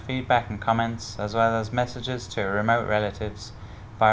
xin kính chào và hẹn gặp lại quý vị